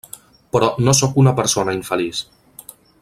Però no sóc una persona infeliç.